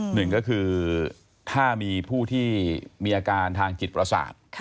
หนึ่งก็คือถ้ามีผู้ที่มีอาการทางจิตประสาท